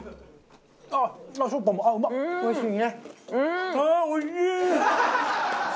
おいしい！